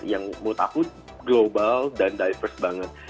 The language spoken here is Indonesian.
yang menurut aku global dan diverse banget